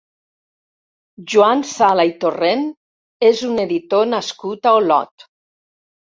Joan Sala i Torrent és un editor nascut a Olot.